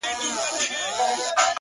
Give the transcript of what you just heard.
ستا په سونډو کي دي يو عالم چوپتياوې _